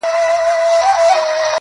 د عبدالباري جهاني منظومه ترجمه!